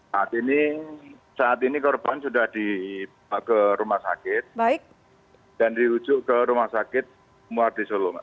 saat ini korban sudah ke rumah sakit dan diujuk ke rumah sakit muaddi solo